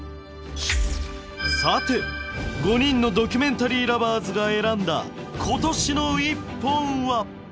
さて５人のドキュメンタリー・ラヴァーズが選んだ今年の１本は？